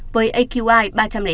với aqi ba trăm linh hai